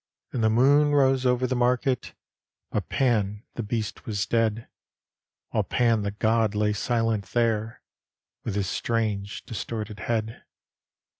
And the moon rose over the market, But Pan the beast was dead; While Pan the god lay silent there, With his strange, distorted head.